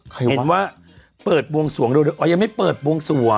เห็นว่าเปิดบวงสวงเร็วอ๋อยังไม่เปิดบวงสวง